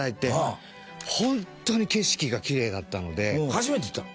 初めて行ったの？